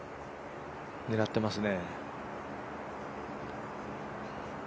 狙ってますね。